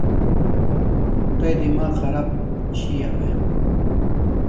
Tay demagh kharab shiaw e?